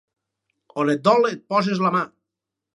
On et dol et poses la mà.